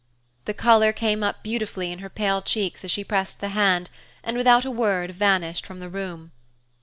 The color came up beautifully in her pale cheeks as she pressed the hand and without a word vanished from the room.